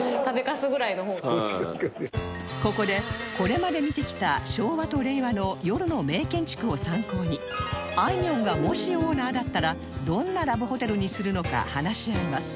ここでこれまで見てきたあいみょんがもしオーナーだったらどんなラブホテルにするのか話し合います